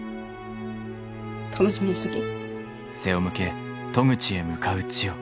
楽しみにしとき。